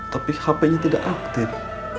tapi hp nya tidak aktif